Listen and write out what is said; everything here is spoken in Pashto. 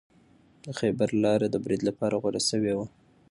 د خیبر لاره د برید لپاره غوره شوې ده.